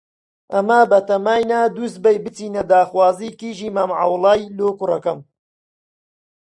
ئەمە بەتاماینە دووسبەی بچینە داخوازیی کیژی مام عەوڵای لۆ کوڕەکەم.